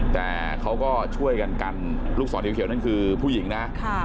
แต่เขาก็ช่วยกันกันลูกศรเขียวนั่นคือผู้หญิงนะ